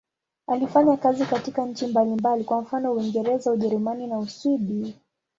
Alifanya kazi katika nchi mbalimbali, kwa mfano Uingereza, Ujerumani na Uswidi.